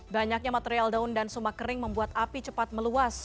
banyaknya material daun dan sumak kering membuat api cepat meluas